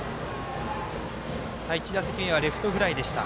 １打席目はレフトフライでした。